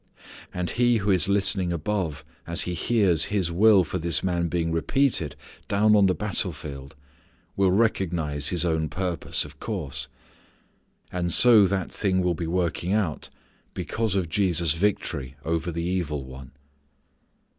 And He who is listening above as He hears His will for this man being repeated down on the battle field will recognize His own purpose, of course. And so that thing will be working out because of Jesus' victory over the evil one.